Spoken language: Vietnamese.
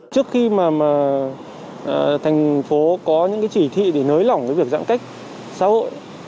trước khi mà thành phố có những chỉ thị để nới lỏng với việc giãn cách xã hội